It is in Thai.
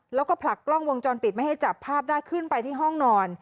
แล้วก็ผลักกล้องวงจรปิดไม่ให้จับภาพได้ขึ้นไปที่ห้องนอน